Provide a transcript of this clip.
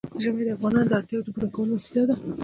ژمی د افغانانو د اړتیاوو د پوره کولو وسیله ده.